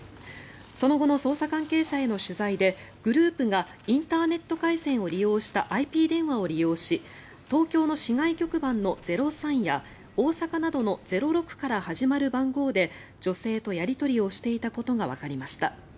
その後の捜査関係者への取材でグループがインターネット回線を利用したＩＰ電話を利用し東京の市外局番の０３や大阪などの０６から始まる番号で女性とやり取りをしていたことがわかりました。